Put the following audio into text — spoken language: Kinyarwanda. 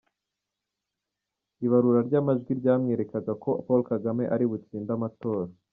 Ibarura ry'amajwi ryamwerekaga ko Paul Kagame ari butsinde amatora.